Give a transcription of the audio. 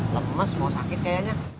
lemes mau sakit kayaknya